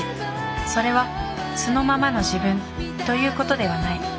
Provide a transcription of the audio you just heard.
それは素のままの自分ということではない。